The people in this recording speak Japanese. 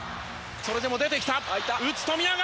それでも出てきた打つ富永！